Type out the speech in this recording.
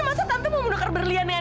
karena indi adalah berlian